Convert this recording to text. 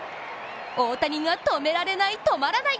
大谷が止められない、止まらない！